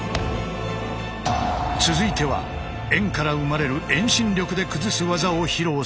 続いては円から生まれる遠心力で崩す技を披露する。